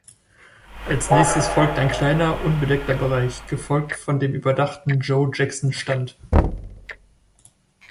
Als nächstes folgt ein kleiner unbedeckter Bereich, gefolgt von dem überdachten Joe Jackson-Stand.